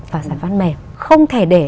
và giải pháp mềm không thể để